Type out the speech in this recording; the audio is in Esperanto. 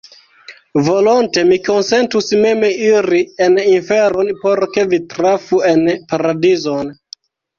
Volonte mi konsentus mem iri en inferon, por ke vi trafu en paradizon!